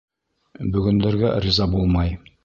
Бөгөндәргә риза булмай